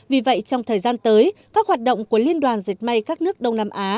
vì vậy trong thời gian tới các hoạt động của liên đoàn diệt mạng các nước đông nam á